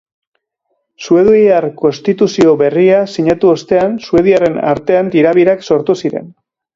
Suediar konstituzio berria sinatu ostean, suediarren artean tira-birak sortu ziren.